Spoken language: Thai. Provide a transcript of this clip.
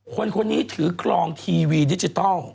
คนนี้ถือครองทีวีดิจิทัล